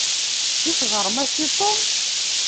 I teɣrem-as i Tom?